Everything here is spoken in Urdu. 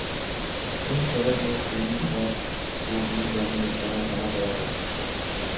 اس جھڑپ میں چینی فوج کو بھی جانی نقصان اٹھانا پڑا ہے